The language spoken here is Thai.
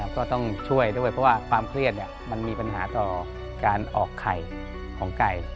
ก็ต้องช่วยด้วยเพราะว่าความเครียดมันมีปัญหาต่อการออกไข่ของไก่